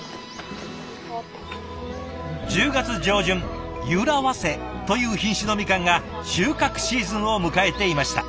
１０月上旬「ゆら早生」という品種のみかんが収穫シーズンを迎えていました。